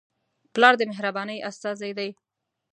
پلار د مهربانۍ استازی دی.